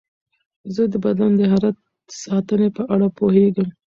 زه د بدن د حرارت ساتنې په اړه پوهېږم.